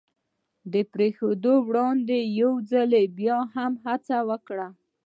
د پرېښودلو وړاندې یو ځل بیا هم هڅه وکړه.